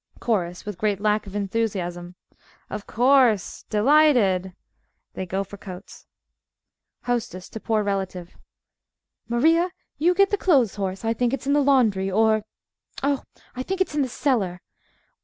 CHORUS (with great lack of enthusiasm) Of course! Delighted! (They go for coats.) HOSTESS (to Poor Relative) Maria, you get the clothes horse. I think it's in the laundry, or Oh, I think it's in the cellar.